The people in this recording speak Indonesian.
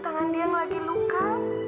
tangan dia yang lagi luka